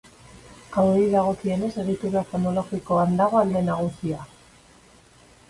Hauei dagokienez, egitura fonologikoan dago alde nagusia.